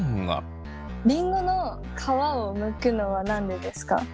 りんごの皮をむくのは何でですか？